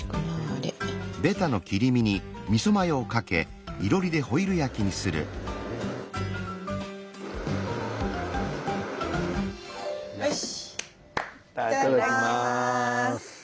いただきます。